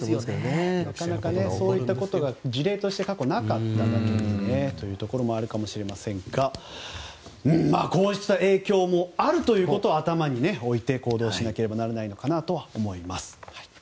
そういったことが事例としてなかったということもあるかもしれませんがこうした影響もあるということを頭に入れて行動しなければいけないのかなと思います。